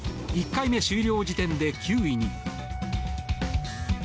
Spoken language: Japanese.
１回目終了時点で９位に。